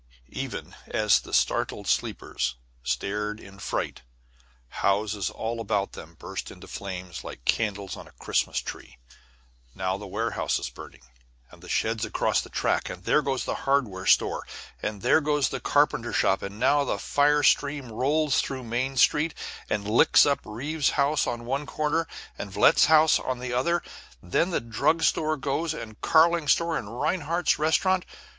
Even as the startled sleepers stared in fright, houses all about them burst into flames like candles on a Christmas tree. Now the warehouse is burning, and the sheds across the tracks; and there goes the hardware store; and there goes the carpenter's shop; and now the fire stream rolls through Main Street, and licks up the Reeves house on one corner and Vliet's store on the other. Then the drug store goes, and Carling's store and Rinehart's restaurant.